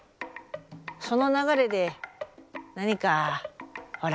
その流れで何かほら。